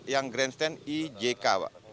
yang grandstand ijk pak